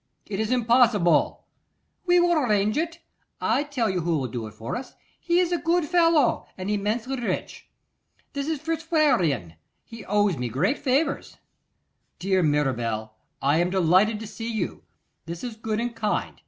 'It is impossible.' 'We will arrange it: I tell you who will do it for us. He is a good fellow, and immensely rich: it is Fitzwarrene; he owes me great favours.' 'Dear Mirabel, I am delighted to see you. This is good and kind.